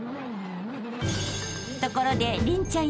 ［ところで麟ちゃん